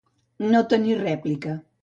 No tenir rèplica.